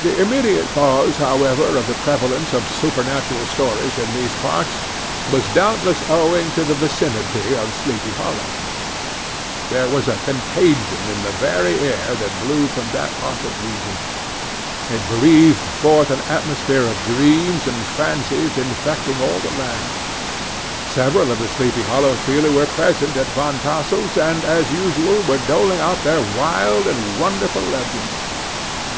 The immediate cause, however, of the prevalence of supernatural stories in these parts, was doubtless owing to the vicinity of Sleepy Hollow. There was a contagion in the very air that blew from that haunted region; it breathed forth an atmosphere of dreams and fancies infecting all the land. Several of the Sleepy Hollow people were present at Van Tassel's, and, as usual, were doling out their wild and wonderful legends.